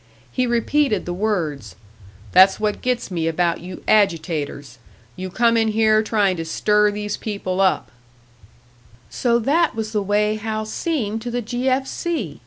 He repeated the words, "That's what gets me about you agitators you come in here trying to stir these people up " So that was the way Hal seemed to the "G. F. C."!